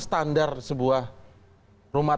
standar sebuah rumah